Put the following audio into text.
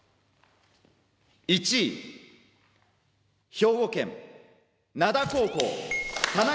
兵庫県・灘高校田中